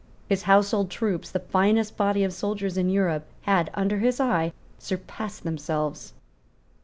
His household troops, the finest body of soldiers in Europe, had, under his eye, surpassed themselves.